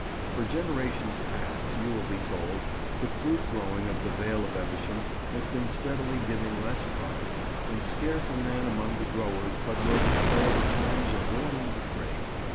For generations past, you will be told, the fruit growing of the Vale of Evesham has been steadily giving less profit, and scarce a man among the growers but will declare the times are ruining the trade.